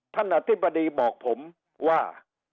ท่านอธิบดีบอกผมว่า